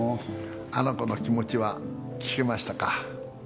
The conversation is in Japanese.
あの子の気持ちは聞けましたか？